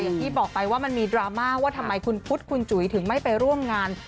อย่างที่บอกไปว่ามันมีดราม่าว่าทำไมคุณพุทธคุณจุ๋ยถึงไม่ไปร่วมงาน